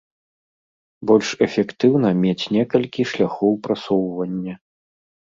Больш эфектыўна мець некалькі шляхоў прасоўвання.